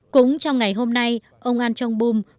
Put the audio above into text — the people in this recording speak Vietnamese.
cũng trong ngày hôm nay ông an chong bum